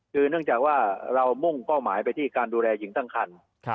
คือเนื่องจากว่าเรามุ่งเป้าหมายไปที่การดูแลหญิงตั้งคัน